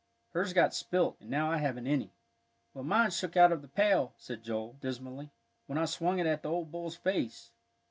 Hers got spilt, and now I haven't any." "Well, mine shook out of the pail," said Joel, dismally, "when I swung it at that old bull's face."